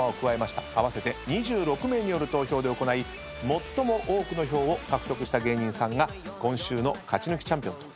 合わせて２６名による投票で行い最も多くの票を獲得した芸人さんが今週の勝ち抜きチャンピオンと。